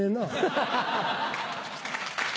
ハハハ。